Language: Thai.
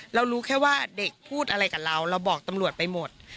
เรารู้แค่ว่าเด็กพูดอะไรกับเราเราบอกตำรวจไปหมด